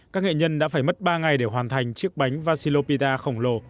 các nghệ nhân đã phải mất ba ngày để hoàn thành chiếc bánh vassilopita khổng lồ